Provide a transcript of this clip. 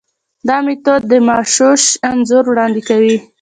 دا میتود مغشوش انځور وړاندې کوي.